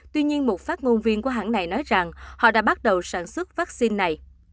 tuy nhiên một phát ngôn viên của hãng này nói rằng họ đã bắt đầu sản xuất vaccine này